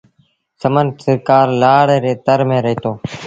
سمن سرڪآر لآڙ ري تر ميݩ رهيتو۔